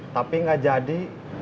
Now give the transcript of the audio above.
tapi enggak jadi